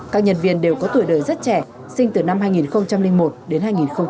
các nhân viên đều có tuổi đời rất trẻ sinh từ năm hai nghìn một đến hai nghìn bốn